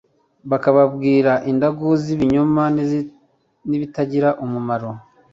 bakababwira indagu z ibinyoma n ibitagira umumaro